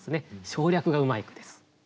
省略がうまい句です。